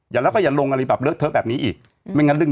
อย่าแล้วก็อย่าลงอะไรแบบเลิกเถอะแบบนี้อีกครับอืม